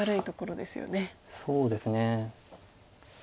そうですね。